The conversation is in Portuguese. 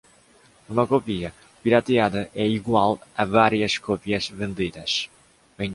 Uma cópia "pirateada" é igual a várias cópias vendidas.